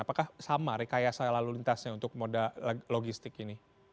apakah sama rekayasa lalu lintasnya untuk moda logistik ini